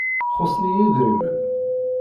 Xuṣṣen-iyi idrimen.